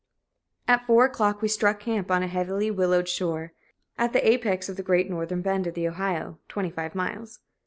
At four o'clock we struck camp on a heavily willowed shore, at the apex of the great northern bend of the Ohio (25 miles).